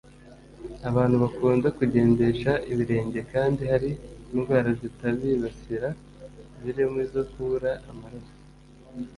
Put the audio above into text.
Abantu bakunda kugendesha ibirenge kandi hari indwara zitabibasira zirimo izo kubura amaraso